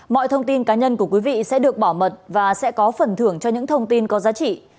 mọi thông tin cá nhân của quý vị sẽ được bảo mật và sẽ có phần thưởng cho những thông tin có giá trị